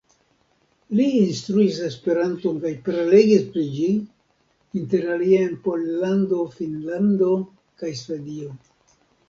Li instruis Esperanton kaj prelegis pri ĝi, interalie en Pollando, Finnlando kaj Svedio.